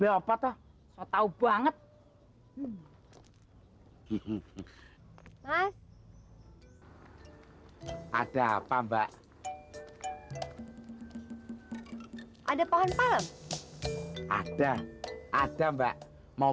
sopo toh tau banget hehehe hehehe hai mas ada apa mbak ada pohon palem ada ada mbak mau